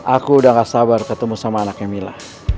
aku udah gak sabar ketemu sama anaknya mila